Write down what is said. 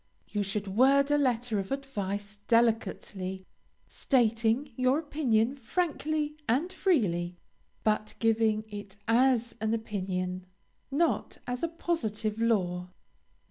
You should word a letter of advice delicately, stating your opinion frankly and freely, but giving it as an opinion, not as a positive law.